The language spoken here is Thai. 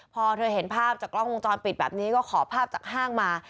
พอเธอเห็นภาพจากกล้องวงจรปิดแบบนี้ก็ขอภาพจากห้างมา